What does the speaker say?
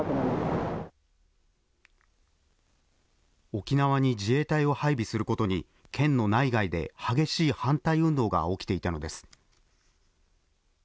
沖縄に自衛隊を配備することに、県の内外で激しい反対運動が起きていたのです。